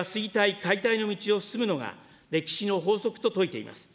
・解体の道を進むのが歴史の法則と説いています。